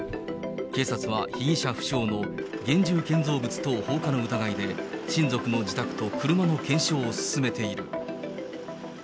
警察は被疑者不詳の現住建造物等放火の疑いで、親族の自宅と車の検証を進めている。